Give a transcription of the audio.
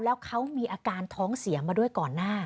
แล้วเขามีอาการท้องเสียมาด้วยก่อนหน้า